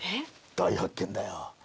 大発見だよ。